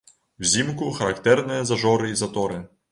Узімку характэрныя зажоры і заторы.